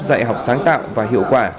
dạy học sáng tạo và hiệu quả